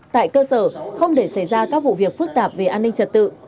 tại cơ sở không để xảy ra các vụ việc phức tạp về an ninh trật tự